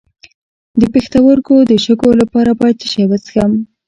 د پښتورګو د شګو لپاره باید څه شی وڅښم؟